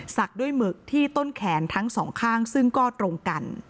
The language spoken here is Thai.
ด้วยหมึกที่ต้นแขนทั้งสองข้างซึ่งก็ตรงกัน